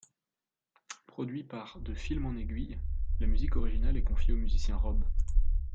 Produit par De films en aiguille, la musique originale est confiée au musicien Rob.